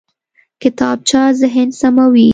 کتابچه ذهن سموي